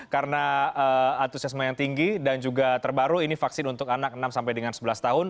karena antusiasme yang tinggi dan juga terbaru ini vaksin untuk anak enam sampai dengan sebelas tahun